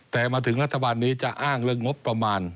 แต่มาถึงรัฐบาลนี้จะอ้างเรื่องงบประมาณ